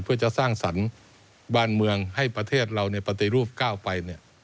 เพื่อจะสร้างสรรค์บ้านเมืองให้ประเทศเราปฏิรูปก้าวไป